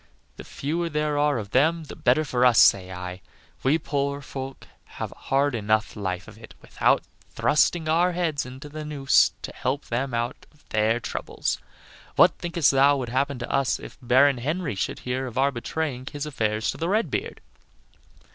The fewer there are of them the better for us, say I. We poor folk have a hard enough life of it without thrusting our heads into the noose to help them out of their troubles. What thinkest thou would happen to us if Baron Henry should hear of our betraying his affairs to the Red beard?"